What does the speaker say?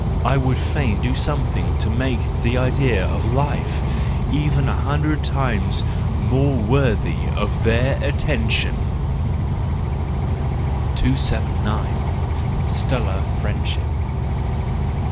I would fain do something to make the idea of life even a hundred times more worthy of their atten¬ tion . 279. Stellar Friendship